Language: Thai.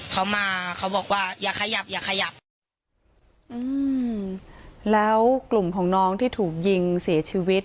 เขามาเขาบอกว่าอย่าขยับอย่าขยับอืมแล้วกลุ่มของน้องที่ถูกยิงเสียชีวิต